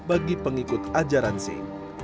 bagi pengikut ajaran syih